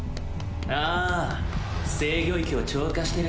ああ制御域を超過してる。